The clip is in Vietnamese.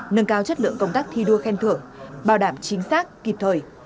nâng cao chất lượng công tác thi đua khen thưởng bảo đảm chính xác kịp thời